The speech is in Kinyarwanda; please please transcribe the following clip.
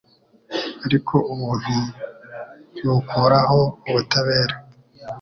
ariko ubuntu ntibukuraho ubutabera.